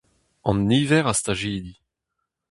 An niver a stajidi.